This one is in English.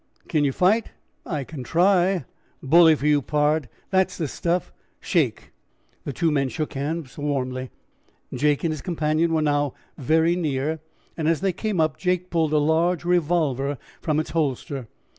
"Can you fight?" "I can try." "Bully for you, pard; that's the stuff! Shake." The two men shook hands warmly. Jake and his companion were now very near, and as they came up Jake pulled a large revolver from its holster.